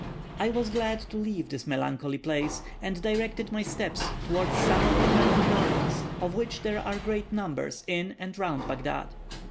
I was glad to leave this melancholy place, and directed my steps towards some of the pleasant gardens, of which there are great numbers in and round Baghdad.